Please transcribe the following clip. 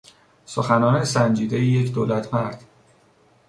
سخنان سنجیدهی یک دولتمرد